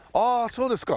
そうですか。